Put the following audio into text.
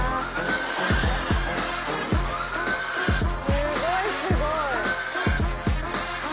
すごい、すごい。